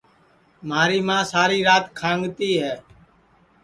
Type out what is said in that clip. مھاری ماں ساری رات کھانٚگتی ہے